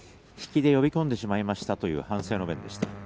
引きで呼び込んでしまいましたという反省の弁でした。